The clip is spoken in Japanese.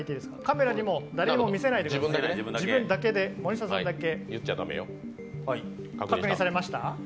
カメラにも誰にも見せないでください森下さんだけ、確認されました？